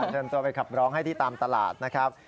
เชิญตัวไปขับร้องให้ที่ตามตลาดนะครับ